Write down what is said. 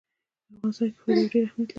په افغانستان کې فاریاب ډېر اهمیت لري.